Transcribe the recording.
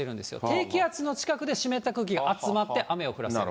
低気圧の近くで湿った空気が集まって、雨を降らせる。